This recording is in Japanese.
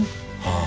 ああ。